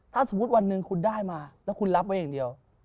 ถ้าสมมุติวันหนึ่งคุณได้มาแล้วคุณรับไว้อย่างเดียว